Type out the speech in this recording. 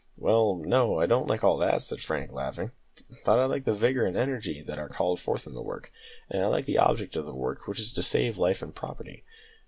"Well no, I don't like all that," said Frank, laughing; "but I like the vigour and energy that are called forth in the work, and I like the object of the work, which is to save life and property.